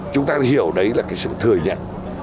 chúng ta hiểu đấy là sự thừa nhận